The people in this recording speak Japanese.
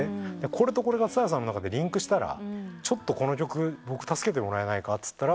「これとこれが蔦谷さんの中でリンクしたらちょっとこの曲僕助けてもらえないか？」